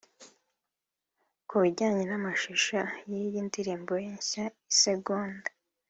Ku bijyanye n’amashusho y’iyi ndirimbo ye nshya 'Isegonda'